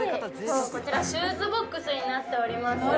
こちらシューズボックスになっております